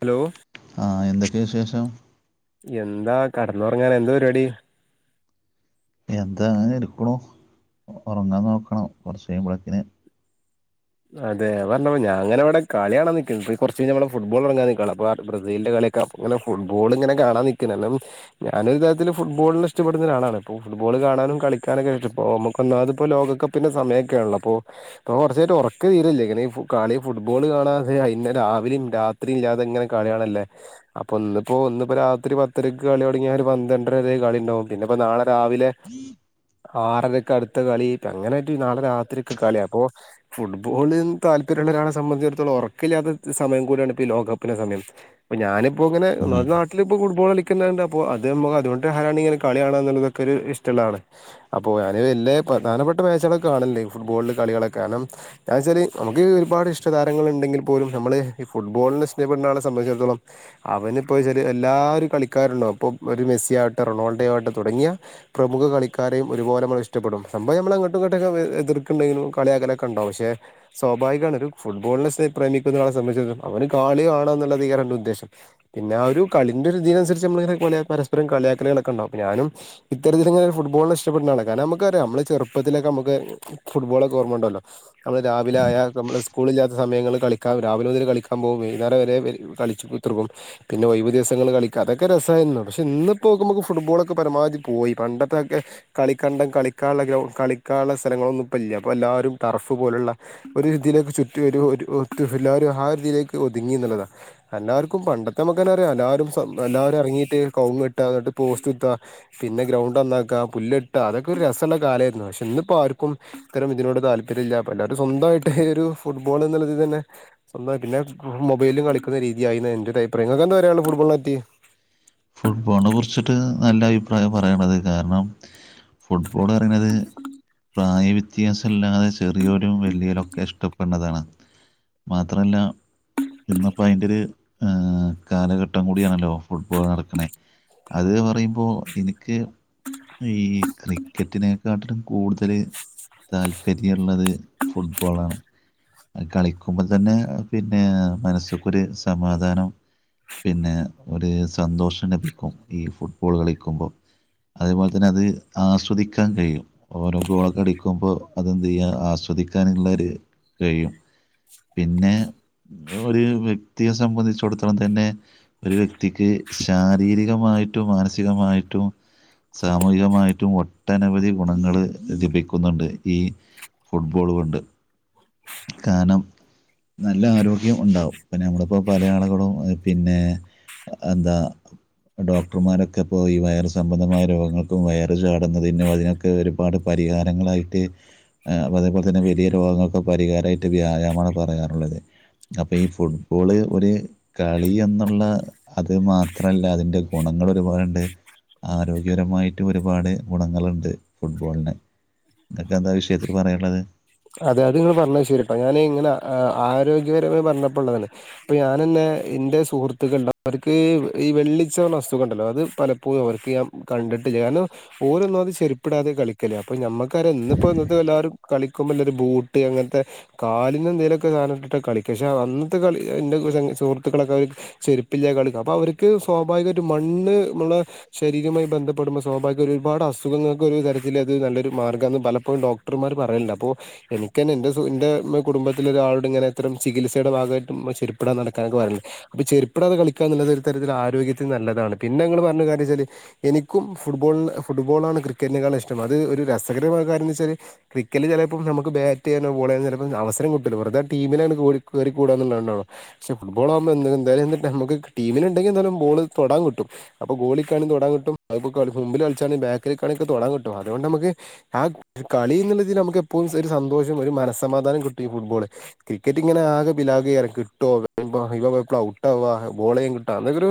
Hello ആഹ് എന്തൊക്കെ വിശേഷം? എന്താ കടന്നൊറങ്ങാന് എന്താ പരിപാടി? എന്താ അങ്ങനെ ഇരിക്കുണു ഒറങ്ങാൻ നോക്കണം കൊർച്ച് കയ്യുമ്പളേക്കിന് അതെ അത് പർഞ്ഞപ്പാ ഞാൻ ഇങ്ങനെ വടെ കളി കാണാൻ നിക്കേന്നു കൊർച്ച് കയ്ഞ്ഞ ഇവടെ ഫുഡ് ബോളൊടങ്ങാൻ നിക്കാണ് അപ്പം ബ്രസീൽൻ്റെ കളിക്കെ ഇങ്ങനെ ഫുട്ബോള് ഇങ്ങനെ കാണാൻ നിക്കെനി [unintelligible] ഞാനൊരു തരത്തില് ഫുട്ബോളിനെ ഇഷ്ടപ്പെടുന്നൊരാളാണ് ഇപ്പം ഫുട്ബോള് കാണാനും കളിക്കാനൊക്കേണ് [unintelligible] ഇപ്പൊ നമുക്ക് ഒന്നാമത് ഇപ്പൊ ലോക ക പ്പിന്റെ സമയൊക്കെ ആണല്ലോ ഇപ്പോ ഇപ്പം കൊറച്ചായിട്ട് ഒർ ക്ക് തീരല്ലേ ഇങ്ങനെ ഈ കളി ഫുട്ബോള് കാണാ [unintelligible] രാവിലിം രാത്രിം ഇല്ലാതെ ഇങ്ങനെ കളി കാണല്ലേ അപ്പൊ ഇന്ന് പ്പോ ഇന്നിപ്പോ രാത്രി പത്തരയ്ക്ക് കളി തൊടങ്ങിയ ഒരു പന്ത്രണ്ടര വരെ കളിണ്ടാവും പിന്നെ പ്പം നാളെ രാവിലെ [inaudible] ആറരക്ക് അടുത്ത കളി അങ്ങനായ്ട്ട് നാളെ രാത്രിക്കെ കള്യ അപ്പൊ ഫുട് ഫുട്ബോൾന് താല്പര്യള്ള ഒരാളെ സംബന്ധിച്ചടത്തോളം ഒറക്കില്ലാത്ത സമയം കൂട്യാണ് ഇപ്പം ഈ ലോക കപ്പിൻ്റെ സമയം അപ്പം ഞാനിപ്പോ ഇങ്ങനെ ഉം. ഒന്നാമത് നാട്ടിലിപ്പോ ഫുട്ബോള് കളിക്കുന്നുണ്ട് അപ്പൊ അത് നമ്മൾ അതുകൊണ്ട് ഹരാണ് ഇങ്ങനെ കളി കാണാന്ന്ള്ളത് ക്കോരു ഇഷ്ടള്ളാളെ അപ്പൊ ഞാന് വല്ല പ്രധാനപ്പെട്ട മാച്ചളൊക്കെ കാണൽണ്ട് ഫുട്ബോളില് കളികളൊക്കെ കാരണം അച്ചാല് നമുക്ക് ഒരുപാട് ഇഷ്ടതാരങ്ങള് ഇണ്ടെങ്കിൽ പോലും നമ്മള് ഈ ഫുട്ബോളിനെ ഇഷ്ടപ്പെട്ണെ ഒരാളെ സംബന്ധിച്ചോട്ത്തോളം അവന് ഇപ്പോ ചെറിയ എല്ലാരും കളിക്കാര്ണ്ടാവും ഇപ്പം ഒരു മെസ്സിയാവട്ടെ, റൊണാൾഡോ ആവട്ടെ തുടങ്ങിയ പ്രമുഖ കളിക്കാരെയും ഒരുപോലെ ഞമ്മള് ഇഷ്ടപ്പെടും സംഭവം നമ്മള് അങ്ങട്ടും ഇങ്ങട്ടൊക്കെ എതിർക്ക്ണ്ടെങ്കിലും കളിയാക്കലൊക്കെ ഇണ്ടാവും പക്ഷെ സ്വാഭാവികാണ് ഒരു ഫുട്ബോളിനെ പ്രേമിക്കുന്ന ആളെ സംബന്ധിച്ചെട്ത്തോളം അവന് കളി കാണാന്നുള്ളത് എയ്ക്കാരം അവൻ്റെ ഉദ്ദേശം പിന്നെ ആഹ് ഒരു കളിൻ്റെ ഒര്തീനനുരിച്ച് നമ്മള് ഇങ്ങനെ പരസ്പസരം കളിയാക്കല് കളോക്കെണ്ടാവും ഞാനും ഇത്തരത്തിലിങ്ങനെ ഫുട്ബോൾനെ ഇഷ്ടപ്പെട്ന്ന ആളാണ് കാരണം ഞമ്മക്കറിയാ ഞമ്മളെ ചെറുത്തിലൊക്കെ ഞമ്മക്ക് ഫുട്ബോളൊക്കെ ഓർമ്മണ്ടല്ലോ ഞമ്മള് രാവിലായ ഞമ്മള് സ്കൂളില്ലാത്ത സമയങ്ങള് കളിക്കാ രാവിലെ മുതൽ കളിക്കാൻ പോകും വൈകുന്നേരം വരെ കളി ച്ച് കുത്തർക്കും പിന്നെ ഒയ് വ് ദിവസങ്ങളില് കളിക്ക അതൊക്കെ രസായിരുന്നു പക്ഷെ ഇന്ന്പ്പോക്കുമ്പോ ഫുട്ബോളൊക്കെ പരമാവധി പോയി പണ്ടത്തെക്കെ കളിക്കണ്ടം കളിക്കാള്ളെ ഗ്രൗ കളിക്കാള്ളെ സ്ഥലങ്ങളൊന്നും ഇപ്പ ഇല്ല ഇപ്പം എല്ലാരും ടർഫ് ഫ്‌ പോലുള്ള ഒരു ഇതിലേക്ക് ചുറ്റി ഒരു എല്ലാരും ആഹ് ഒര് തീലേക്ക് ഒതുങ്ങി ന്ന്ള്ളതാ എല്ലാർക്കും പണ്ടത്തെ ഇമ്മക്കന്നെ അറിയാ എല്ലാരും സ എല്ലാരും എർങ്ങിട്ട് കൗങ്ങ് വേട്ടാ ന്നട്ട് പോസ്റ്റുത്ത പിന്നെ ഗ്രൗണ്ടന്നാക്ക പുല്ലെട്ട അതൊക്കെ ഒരു രസള്ള കാലേര്ന്നു പക്ഷേ ഇന്നിപ്പം ആർക്കും ഇത്തരം ഇതിനോട് താല്പര്യല്ല ഇപ്പ എല്ലാരും സ്വന്തായിട്ട് ഒരു ഫുട്ബോള് ന്ന്ള്ള തീതന്നെ സ്വന്തായി പിന്നെ മൊബൈല് കളിക്കുന്ന രീതിയായി എന്നാണ് എന്റെരു അഭിപ്രായം ഇങ്ങക്കെന്താ പറയാള്ളത് ഫുട്ബോൾനെ പറ്റി ഫുട്ബോൾനെ കുറിച്ചിട്ട് നല്ല അഭിപ്രായ പറയ്ണത് കാരണം ഫുട്ബോള് പറിണത് പ്രായ വ്യത്യാസല്ലാതെ ചെറിയോരും, വല്യോലും ഒക്കെ ഇഷ്ടപ്പെടുന്നതാണ് മാത്രല്ല ഇന്ന്പ്പ അയ്ന്റോര് കാലഘട്ടം കൂടിയണല്ലോ ഫുഡ്ബോള് നടക്ണേ അത് പറയുമ്പോ ഇൻക്ക് ഈ ക്രിക്കറ്റിനെക്കാട്ടിലും കൂടുതല് താല്പര്യള്ളത് ഫുട്ബോളാണ് അത് കളിക്കുമ്പം തന്നെ പിന്നെ മനസ്സ്ക്കൊരു സമാധാനം പിന്നെ ഒരു സന്തോഷം ലഭിക്കും ഈ ഫുട്ബോള് കളിക്കുമ്പം അതേപോലെ തന്നെ അത് ആസ്വദിക്കാൻ കഴിയും ഓരോ ഗോളൊക്കെ അടിക്കുമ്പം അതെന്തെയ്യാ ആസ്വദിക്കാന്ള്ളോരു കഴിയും പിന്നെ നമ്മൾ ഒരു വ്യക്തിയെ സംബന്ധിച്ചിടത്തോളം തന്നെ ഒരു വ്യക്തിക്ക് ശാരീരികമായിട്ടും മാനസികമായിട്ടും സാമൂഹികമായിട്ടും ഒട്ടനവധി ഗുണങ്ങൾ ലഭിക്കുന്നുണ്ട് ഈ ഫുട്ബോൾ കൊണ്ട്. കാരണം നല്ല ആരോഗ്യം ഉണ്ടാവും. ഇപ്പം നമ്മളിപ്പോൾ പല ആളുകളും പിന്നെ എന്താ ഡോക്ടർമാരൊക്കെ ഇപ്പോ ഈ വയറ് സംബന്ധമായ രോഗങ്ങൾക്കും വയറ് ചാടുന്നതിനും അതിനൊ ഒരുപാട് പരിഹാരങ്ങളായിട്ട് അപ്പൊ അതേപോലെ തന്നെ വലിയ രോഗങ്ങളൊക്കെ പരിഹാരമായിട്ട് വ്യായാമാണ് പറയാറുള്ളത് അപ്പൊ ഈ ഫുട്ബോള് ഒരു കളി എന്നുള്ള അത് മാ ത്രല്ല അതിന്റെ ഗുണങ്ങൾ ഒരുപാടുണ്ട് ആരോഗ്യപരമായിട്ട് ഒരുപാട് ഗുണങ്ങളുണ്ട് ഫുട്ബോളിന് നിക്കെ എന്താ വിഷയത്തിൽ പറയാനുള്ളത് അതെ അത്ങ്ങെ പറഞ്ഞത് ശരി കേട്ടോ ഞാൻ ഇങ്ങനെ ആരോഗ്യപരമ പറഞ്ഞപ്പോൾ ഉള്ളതാണ് ഇപ്പൾ ഞാൻന്നെ എൻ്ന്റെ സുഹൃത്തുക്കൾ അവർക്ക് ഈ വെള്ളിച്ച അസ്ഖ ഉണ്ടല്ലോ അത് പലപ്പോഴും അവർക്ക് ഞാൻ കണ്ടിട്ട് ഞൻ ഓരൊന്നും അത് ചെരിപ്പപ്പെടാതെ കളിക്കലേ അപ്പൊ ഞമ്മക്കാര ഇിപ്പോ ഇ എല്ലാവരും കളി - - ക്കുമ്പോല്ലൊരു ബൂട്ട് അങ്ങനത്തെ കാലിന്ന എന്തേലൊക്കെ സാധനട്ടിട്ട കളി പക്ഷെ അന്നത്തെ കളി എന്റെ സുഹൃത്തുക്കളൊക്കെ അവര് ചെരുപ്പില്ലേ കളി അപ്പൊ അവർക്ക് സ്വാഭാവികമായി ഒരു മണ്ണ് നമ്മള ശരീരമായി ബന്ധപ്പെടുമ്പോൾ സ്വാഭാവിക ഒരുപാട് അസുഖങ്ങൾക്ക ഒരു തരത്തില്ൽ അത് നല്ലൊരു മാഗമാണ്ന്ന് പലപ്പോഴ ഡോക് ഡോക്ടർമാർ പറയണ്ട് അപ്പോ എനക്ക് തന്നെ എൻ് എൻ്റെ കുടുംബത്തില ഒരാളോട് ഇങ്ങനെ ഇത്രം ചികിത്സയുടെ ഭാഗമായിട്ടും ചെരിപ്പിടാതെ നടക്കാനൊക്കെ പറയണ്ട് അപ്പൊ ചെരുപ്പടതെ കളിക്കാ എന്നുള്ളത് ഒരു തരത്തില് ആരോഗ്യത്തിന് നല്ലതാണ്. പിന്നെ നിങ്ങൾ പറഞ്ഞ കാര്യം വെച്ചാല് എനിക്കും ഫുട്ബോൾ ഫുട്ബോൾ ആണ് ക്രിക്കറ്റിനക്കാള ഇഷ്ടം അത് ഒരു രസകരമായ കാര്യംന്ന് വെച്ചാല് ട്രിക്കല് ചില ഇപ്പം നമുക്ക് ബാറ്റ് ചെയ്യാനോ ബോൾ ചെയ്യാനോ ചിലപ്പോ അവസരം കിട്ടില്ല വെറതെ ടീമിനാണ്ണ് കേറി കൂടാന്നുള്ളതണ്ടാണോ പക്ഷെ ഫുട്ബോൾകുമ്പോ എന്താല നമക്ക് ടീമിനുണ്ടെങ്കിൽന്താലും ബോൾ തൊടൻ കിട്ടും. അപ്പൊ ഗോളിക്കണും തൊടാ കിട്ടും മുമ്പിൽ കളിച്ചാെങ്ക ബാക്കലികാണ തൊടൻ കിട്ടും അതുകൊണ്ട് നമക്ക് ആഹ്കളി എന്നുള്ളതിൽ നമുക്ക് എപ്പോഴും ഒരു സന്തോഷം ഒരു മനസ്സമാധാനം കിട്ടുംഈ ഫുട്ബോള് ക്രിക്കറ്റ് ഇങ്ങനെ ആകെ ബിലാകെ കിട്ടോ ഇ ഔട്ട് ബോൾ ചെയ്യൻ കിട്ട അങ്ങക്ക ഒരു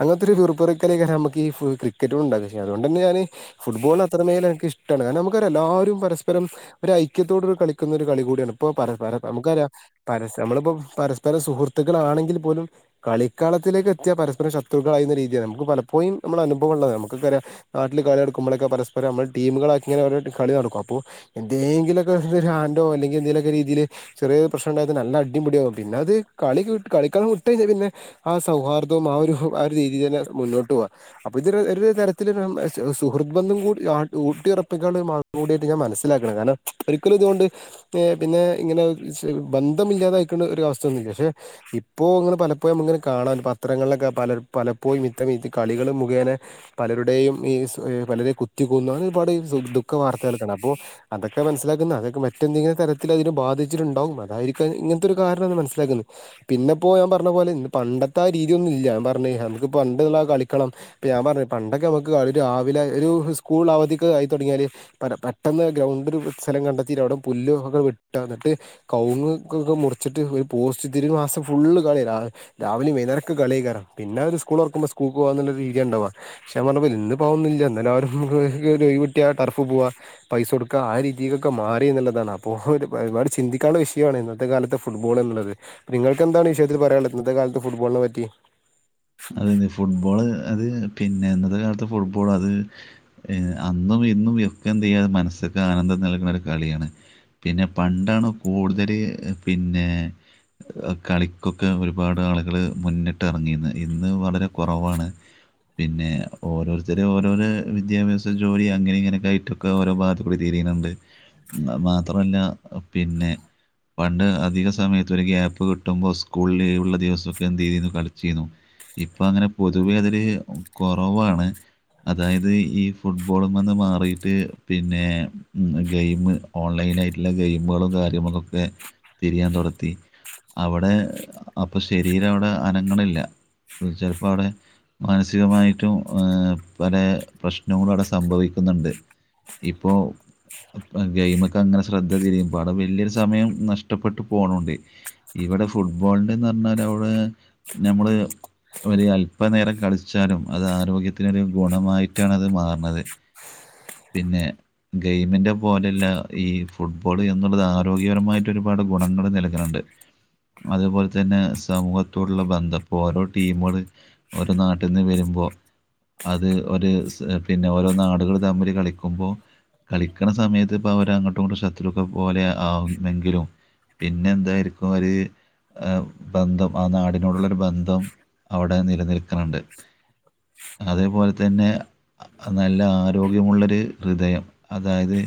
അങ്ങനത്തെ ഒരു പിറുപ്പറക്കലൊക്കെ നമക്ക് ഈ ക്രിക്കുറ്റണ്ടകും ക്ഷ അതുകൊണ്ട് തന്നെ ഞാന് ഫുട്ബോൾ അത്രമേല എനിക്ക് ഇഷ്ടമാണ് കാരണം നമുക്ക് എല്ലരും പരസ്പരം ഒരു ഐക്യത്തോട ഒരു കളിക്കുന്ന ഒരു കളി കൂടിയാണ് ഇപ്പ നമുക്ക പരസ നമ്മളിപ്പോ പരസ്പരം സുഹൃത്തുക്കളാണെങ്കിൽ പോലും കളിക്കളത്തിലേക്ക് എത്തിയ പരസ്പര ശത്രുക്കൾയുന്ന രീതിയാണ് നമുക്ക് പലപ്പോഴ നമ്മൾ അനുഭവ ഉള്ളത് നമുക്ക ക്ക അറിയാം നാട്ടില് കളിടുമ്പോഴൊക്കെ പരസ്പരംമ്മൾ ടീമൾക്ക ഇങ്ങെ കളി നടക്കും അപ്പോ എന്തെങ്കിലൊക്കെ ഒരു ഹൻഡോ അല്ലെങ്ക എന്തെലുമൊ രീതിൽ ചെറിയ പ്രശ്നം ഉണ്ടായത് നല്ല അടി പിടിയവും പിന്ന അത് കളി കളിക്കളം വിട്ട പിന്നെ ആ സൗഹാർദ്ദവും ആ ഒരു ആ ഒരു രീതിയി തന്നെ മുന്നോട്ട് പോക അപ്പൊ ഇത് തരത്തില്ൽ സുഹൃത് ബന്ധും കൂടി ഊട്ടി ഉറപ്പിക്കാനുള്ള മഹത്വയായിട്ട് ഞാൻ മനസ്സ സ്സിലക്കണ കാരണം ഒരിക്കലും ഇതുകൊണ്ട് പിന്നെ ഇങ്ങനെ ബന്ധമ ഇല്ലാതൊയിക്കുന്ന ഒരു അവസ്ഥ ഒന്നുമില്ല പക്ഷെ ഇപ്പോ ഇങ്ങനെ പലപ്പോഴും ഇങ്ങനെ കാണാൻ പത്രങ്ങളിലൊക്കെ പല പലപ്പോഴും ഇത്തം കളികള് മുഖേന പലരുടെയും ഈസ് ഹ് പലരെയും കുത്തിക്കാെന്നു അങ്ങനെ ഒരുപാട് സുഗ് ദുഃഖ വാർത്തകള് എക്കേണ് അപ്പോ അതെക്കെ മൻസ്സിലാക്ക്ന്ന അതെക്കെ മറ്റെഎന്തെങ്കിലും തരത്തില് അതിന് ബാധിച്ചിട്ട് ഇണ്ടാവും അതായിരിക്കാം ഇങ്ങൻത്തെ ഒരു കാരണാന്ന് മൻസ്സിലാക്ക്ന്ന് പിന്നെ ഇപ്പോ ഞാൻ പർണ പോലെ ഇന്ന് പണ്ടത്തെ ആ രീതിയൊന്നും ഇല്യ ഞാപർണ് ഹമ്ക്ക് ഇപ്പൊ പണ്ട്ള്ള കളിക്കണം ഇപ്പയാംപർണ് പണ്ടൊക്കെ അമ്മക്ക് ആള് രാവിലെ ഒരു ഹുസ്കൂൾ അവധിക്ക് ആയി താെടങ്ങിയാല് പരം പെട്ടെന്ന് ഗ്രൗണ്ട് ഒരു സ്ഥലം കണ്ടെത്തീറ്റ് അവടെ പുല്ല് ഒക്കെ വെട്ടാണ് ഇന്ന്ട്ട് കൗങ്ങ് ഒകകെ മുറിച്ചിട്ട് ഒരു പോസ്റ്റുത്തീറ്റ് ഒരു മാസം ഫുള്ള് കളിയെല്ലേ ആകെ രാവിലിം വെെനേരക്ക കളിയ്ക്കാരം പിന്നെ ഒരു ഉസ്കൂളൊർക്കുമ്പൊ ഉസ്കൂക്ക് പോവാന്ന്ള്ള ഒര് രീതിയാ ഇണ്ടാവാ പക്ഷെ ഞാം പർണ പോലെ ഇന്ന് ഇപ്പ അതൊന്നില്യ ഇന്നാലും ആ ഒര് ഹിംഗ് ഇക്ക് ഒര് ഒയിവ്കിട്ടിയാ ടർഫ് പോവാ പൈസാെട് ക്ക ആ രീതീകെക്കെ മാറി എന്ന്ള്ളതാണ് അപ്പൊ ഒരു ഒരു പരിവാടി ചിന്തിക്കാൻള്ള വിഷയുആണ് ഇന്നത്തെ കാലത്ത് ഫുട്ബോള് എന്ന്ള്ളത് നിങ്ങൾക്ക് എന്താണ് ഈവിഷയത്തില് പറയാള്ളത് ഇന്നത്തെ കാലത്ത് ഫുട്ബോളിനെ പറ്റി അതെന്നെ ഫുട്ബോള് അത് പിന്നെ ഇന്നത്തെ കാലത്ത് ഫുട്ബോള് അത് അന്നും ഇന്നും വ്യെക്കെ എന്തിയ്യാ മനസ്സ്ക്ക് ആനന്ദം നൽക്ണ ഒരു കളിയാണ് പിന്നെ പണ്ടാണ് കൂട്തല് പിന്നെ കളിക്കൊക്കെ ഒരുപാട് ആള്കള് മുന്നട്ട് എറങ്ങീന്ന് ഇന്ന് വളരെ കൊറവാണ് പിന്നെ ഓരോരുത്തരും ഓരോരെ വിദ്യാഭ്യാസ ജോലി അങ്ങനെ ഇങ്ങനെക്കെ ആയിട്ടും ക്കെ ഓരോ ഭാഗത്ത്കൂടി തിരിനിണ്ട് മമാത്രാെല്ല പിന്നെ പണ്ട് അധിക സമയത്ത് ഒരു ഗ്യാപ്പ് കിട്ട്മ്പൊ ഇസ്കൂള് ലീവ്ള്ള ദിവസൊക്കെ എന്തീതീന്നു കളിച്ചീന്നു ഇപ്പ അങ്ങനെ പൊതുവേ അതെര് കൊറവ്വാണ് അതായത് ഈ ഫുട്ബോള്മന്ന് മാറിയിട്ട് പിന്നെ ഉം ഗെെമ് ഓൺലൈനായിട്ട്ള്ള ഗെെമ്കളാെക്കെ കാര്യങ്ങൾക്കൊക്കെ തിരിയാൻ തൊടത്തി അവടെ അപ്പ ശെരീരം അവിടെ അനങ്ങിണില്ല ഒചെൽപ്പാെ അവടെ മാനസികമായിട്ടും ഏഹ് പലേ പ്രശ്നങ്ങളും അവടെ സംഭവിക്ക്ന്ന്ണ്ട് ഇപ്പൊ ഇപ്പഗെെമക്ക അങ്ങനെ ശ്രദ്ധ തിരിയുമ്പൊ അവടെ വെല്യരു സമയം നഷ്ടപ്പെട്ട് പോണൂണ്ടേ ഇവടെ ഫുട്ബോളിൻ്റെന്നർണാല് അവടെ നമ്മള് ഒര്അല്പനേരം കളിച്ചാലും അത് ആരോഗ്യത്തിനൊര് ഗുണമായിട്ടാണത് മാർണത് പിന്നെ ഗെെമിന്റെ പോലെല്ല ഈ ഫുട്ബോള് എന്നുള്ളത് ആരോഗ്യപരമായിട്ട് ഒരുപാട് ഗുണങ്ങള് നില ഇങ്ങനെണ്ട് അതേപോലെ തന്നെ സമൂഹത്തോട്ള്ള ബന്ധം പോറോഡ് ടീമാെള് ഓരോ നാട്ട്ന്ന് വെരുമ്പാെ അത് ഒര് സ് പിന്നെ ഓരോ നാട്കള് തമ്മില് കളിക്കുമ്പൊ കളിക്ക്ണ സമയത്ത് ഇപ്പ അവര് അങ്ങോട്ടും ഇങ്ങട്ടും ശത്രുക്കളെ പോലെ ആവുന്നെങ്കിലും പിന്നെ എന്തായിരിക്കും അവര് ആ ബന്ധം ആ നാടിനോടുള്ളാെരു ബന്ധം അവടെ നിലനിൽക്ക്ണ് ണ്ട് അതേപോലെതെന്നെ നല്ല ആരോഗ്യമുള്ളെര് ഹൃദയം അതായത്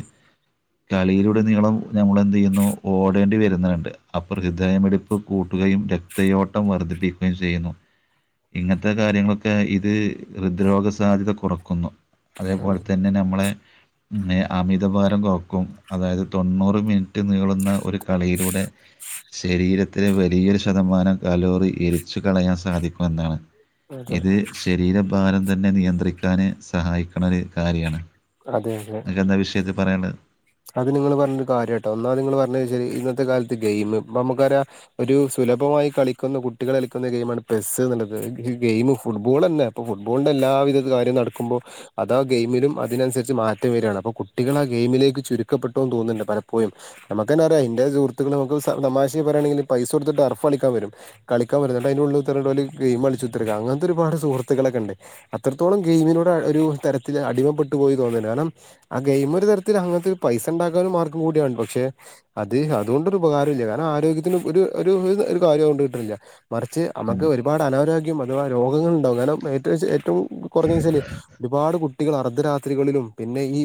തലയിലൂടെ നീളം ഞമ്മള് എന്തിയ്യുന്നു ഓടേണ്ടി വെര്ന്ന്ണ്ട് അപ്പർ ഹൃദയമിടി പ്പ് കൂട്ടുകയും രക്തയോട്ടം വർദ്ധിപ്പിക്കുകയും ചെയ്യുന്നു ഇങ്ങൻത്തെ കാര്യങ്ങളൊക്കെ ഇത് ഹൃദ്രോഗ സാധ്യത കുറക്കുന്നു അതേപോലെ തെന്നെ നമ്മളെ നേ അമിതഭാരം കൊറക്കും അതായത് തൊണ്ണൂറ് മിൻറ്റ് നീളുന്ന ഒര്കളിയിലൂടെ ശെരീരത്തിലെ വലിയൊരു ശതമാനം കലോറി എരിച്ച് കളയാൻ സാധിക്കും ഇപ്പെന്നാണ് അതെ ഇത് ശെരീരഭാരം തെന്നെ നിയന്ത്രിക്കാന് സഹായിക്ക്ണ ഒര് കാര്യാണ് അതെ അതെ അന്ക്കെന്താ വിഷയത്തിൽ പറയാള്ളത്. അത് നിങ്ങള്ൾ പറഞ്ഞൊരു കാര്യട്ടോ ഒന്നാത് നിങ്ങള് പറ്ഞ്ഞന്താച്ചല് ഇന്നത്തെ കാലത്ത് ഗെയിം ഇപ്പൊ അമക്കറിയാ ഒരു സുലഭമായി കളിക്കുന്ന കുട്ടികൾ കളിക്കുന്ന ഗെയിമാണ് പെസ്സ് എന്നുള്ളത് ഈ ഗെയിം ഫുട്ബോള്ളന്നെ ഇപ്പോ ഫുട്ബോള്ന്റെ എല്ലാവിധ കാര്യും നടക്കുമ്പോ അതാ ഗെയിമിലും അതിനന്സര്ച്ച് മാറ്റം വരികയാണ് അപ്പൊ കുട്ടികൾ ആഹ് ഗെയിമിലേക്ക് ചുരു ചുരുക്കപ്പെട്ടോന്ന് തോന്നുന്നുണ്ട് പലപ്പോഴും നമ്മക്കെനറാം ഇന്റെ സുഹൃത്ക്കള് നമുക്ക് സ തമാശി പറയാണെങ്കില് പൈസ കൊട്ത്ത് ട്ടർഫളിക്കൻ വരും കളിക്കാൻ വെരും ന്നട്ട് അയ്നുള്ളിൽ കുത്തർന്ന് ഓല് ഗയിം കളിച്ചുത്തർക്കാ അങ്ങനത്തെ ഒരുപട് സുഹൃത്തുക്കളൊക്കെണ്ട് അത്രത്തോളം ഗെയിമിനോട് ഒരു തരത്തിൽ അടിമപ്പെട്ടു പോയി തോന്ന്ന്ന്ണ്ട് കാരണം ആഹ് ഗെയിമ് ഒരു തരത്തിൽ അങ്ങനത്തെ ഒരു പൈസ ഉണ്ടാക്കാൻ ഒരു മാർഗം കൂടിയാണ് പക്ഷെ അത് അത്കൊണ്ടൊരു ഉപകാരുല്ല കാരണം ആരോഗ്യത്തിന് ഒര് ഒരു ഒരു കാരിയു അത്കൊണ്ട് കിട്ട്ണില്ല മറിച്ച് അമ്മക്ക് ഉം. ഒരുപാട് അനാരോഗ്യം അഥവാ രോഗങ്ങളുണ്ടാവും. കാരണം ഏറ്റവും ച്ച ഏറ്റവും കുറഞ്ഞെച്ചാല് ഒരുപാട് കുട്ടികൾ അർദ്ധരാത്രികളിലും, പിന്നെ ഈ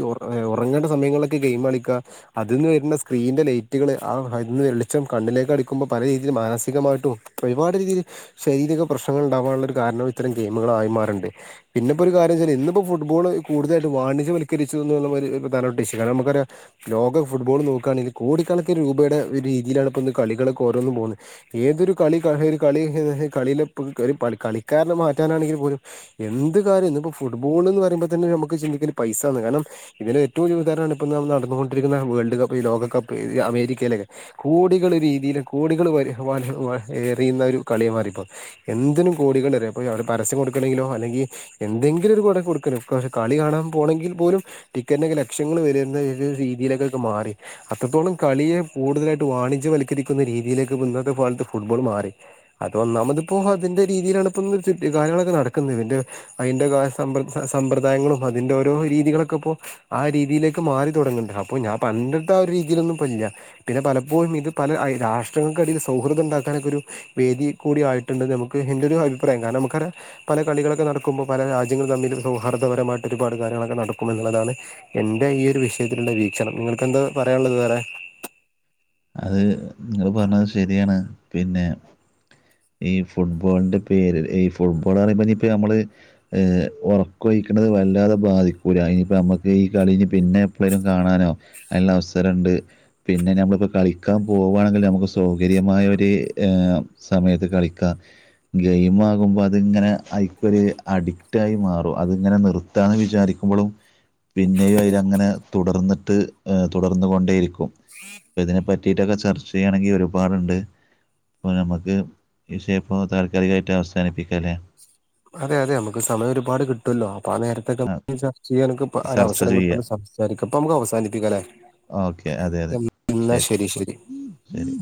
ഉറങ്ങേണ്ട സമയങ്ങളിലൊക്കെ ഗെയിം കളിക്കാ. അതിൽന്ന് വെര്ന്ന സ്ക്രീനിന്റെ ലൈറ്റുകൾ ആഹ് അതിൽ നിന്ന് വെളിച്ചം കണ്ണലെക്ക് അടിക്കുമ്പോ പല രീതിയിൽ മാനസികമായിട്ടും. ഒരുപാട് രീതിയിൽ ശെരീരിക പ്രശ്നങ്ങൾ ഉണ്ടാവാനുള്ള ഒരു കാരണം ഇത്തരം ഗെയിമുകളായി മാറുണ്ട്. പിന്നെപ്പോ ഒരു കാര്യച്ചാൽ ഇന്നിപ്പോ ഫുട്ബോള് കൂടുതലായിട്ട് വാണിജ്യവൽകരിച്ചു എന്നുള്ള പ്രധാനപ്പെട്ട ഇഷു ഏതായാലും നമ്മക്കറിയ ലോക ഫുട്ബോൾ, നോക്കണെങ്കിൽ കോടിക്കണക്കിന് രൂപയുടെ ഒരു രീതിയിലാണ് ഇപ്പന്ന് കളികളൊക്കെ ഓരോന്നും പോകുന്നത് ഏതൊരു കളി കഹി കളി ത് കളിലെപ്പളും കളിയിലെ കളിക്കാരനെ മാറ്റാനാണെങ്കിൽ പോലും എന്ത് കാര്യം ഇന്ന്പ്പൊ ഫുട്ബോൾ ന്ന് പറയുമ്പോ തന്നെ നമുക്ക് ചിന്തിക്കല് പൈസ ന്ന്. കാരണം ഇതിന് ഏറ്റവും [unintelligible] ഇപ്പൊൾ നമ്മൾ നടന്നുകൊണ്ടിരിക്കുന്ന വേൾഡ് കപ്പ് ഈ ലോകപ്പ് അമേരിക്കയിലെ കോടികൾ രീതിയില്, കോടികൾ വരി വഹി വാരി എറിയുന്ന ഒരു കളിയായി മാറി ഇപ്പോ. എന്തിനും കോടികൾ എറിയ പ്പൊ വിടെ പരസ്യം കൊടുക്കണമെങ്കിലോ, അല്ലെങ്കി എന്തെങ്കിലും ഒരു കൊട കൊടുക്കല്. പക്ഷേ കളി കാണാൻ പോണെങ്കിൽ പോലും ടിക്കറ്റ്നോക്കല്ലെ എത്ര ലക്ഷങ്ങൾ വെല വെരുന്ന ഒരു രീതിയിലൊക്കെ മാറി. അത്രത്തോളം കളിയെ കൂടുതലായിട്ട് വാണിജ്യവൽക്കരിക്കുന്ന രീതിയിലേക്ക് ഇന്നത്തെ കാലത്ത് ഫുട്ബോൾ മാറി. അത് ഒന്നാമതിപ്പോ, അതിന്റെ രീതിയിലാണ് ഇപ്പോ ന്ന് ത് കാര്യങ്ങളൊക്കെ നടക്കുന്നത് അതിന്റെ അയ്ന്റെ കാര്യ സമ്പ്രദായങ്ങളും അതിൻ്റെ ഓരോ രീതികളൊക്കെ പ്പോ. ആഹ് രീതിയിലേക്ക് മാറി തൊടങ്ങുണ്ട് അപ്പോ ഞാൻ പണ്ടത്തെ ആഹ് ഒരു രീതിലൊന്നുപ്പല്ല. പിന്നെ പലപ്പോഴും ഇത് പല ഐയ് രാഷ്ട്രങ്ങൾക്ക് അധികം സൗഹൃദം ഉണ്ടാക്കാനൊക്കെരു വേദി കൂടിയായിട്ടുണ്ട് നമുക്ക് എന്റെ ഒരു അഭിപ്രായം കാരണം നമുക്കറിയാ പല കളികളൊക്കെ നടക്കുമ്പോൾ പല രാജ്യങ്ങള് തമ്മിൽ സൗഹാർദ്ദപരമായിട്ട് ഒരുപാട് കാര്യങ്ങളൊക്കെ നടക്കുമെന്നുള്ളതാണ്. എൻ്റെ ഈ ഒരു വിഷയത്തിലുള്ള വീക്ഷണം. നിങ്ങൾക്ക് എന്താ പറയാള്ളത് വേറെ അത്, നിങ്ങൾ പറഞ്ഞത് ശരിയാണ് പിന്നെ ഈ ഫുട്ബോളിൻ്റെ പേര് ഈ ഫുട്ബോൾ പറയുമ്പോ പ്പ നമ്മള് ഉറക്കം ഒഴിക്ക്ണത് വല്ലാതെ ബാധിക്കൂല്ല. ഈ സമയത്ത് ഈ കളി ഇഞ്ഞി പിന്നെ എപ്പോഴേലും കാണാനോ അതിനുള്ള അവസരം ഉണ്ട്. പിന്നെ ഞമ്മളിപ്പത് കളിക്കാൻ പോകാണെങ്കിലും നമുക്ക് സൗകര്യമായൊരു സമയത്ത് കളിക്കാം. ഗെയിം ആകുമ്പോൾ അതിങ്ങനെ അയ്ക്കൊരു അഡിക്റ്റായി മാറും അതിങ്ങനെ നിർത്ത് നിർത്താന്ന് വിചാരിക്കുമ്പഴും. പിന്നെയും അയിലങ്ങനെ തുടർന്നിട്ട്, തുടർന്നു കൊണ്ടേയിരിക്കും ഇതിനെ പറ്റിട്ടൊക്കെ ചർച്ച ചെയ്യണെങ്കിൽ ഒരുപാടുണ്ട്. അപ്പോ നമ്മക്ക് ഈ വിഷയം ഇപ്പോ താൽക്കാലികമായിട്ട് അവസാനിപ്പിക്കല്ലേ അതെ. അതെ നമുക്ക് സമയം ഒരുപാട് കിട്ടുല്ലോ. അപ്പൊ ആഹ് നേരത്തെ ആ ഇതൊക്കെ ചർച്ച ചെയ്യാനോക്കെ ചർച്ച അവസരം ചെയ്യാം കിട്ടുമ്പോൾ സംസാരിക്കാം. ഇപ്പ നമ്മക്ക് അവസാനിപ്പിക്കാം. ല്ലേ ഓക്കെ അതെ അതെ എന്നാ ശരി, ശരി. ശരി